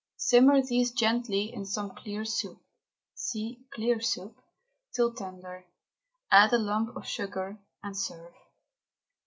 Simmer these gently in some clear soup (see CLEAR SOUP) till tender; add a lump of sugar, and serve.